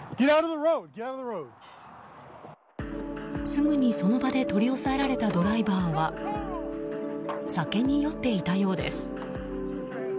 すぐにその場で取り押さえられたドライバーは酒に酔っていたようです。